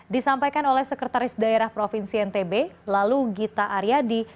disampaikan oleh sekretaris daerah provinsi ntb lalu gita aryadi